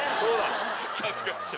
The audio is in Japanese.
さすが師匠！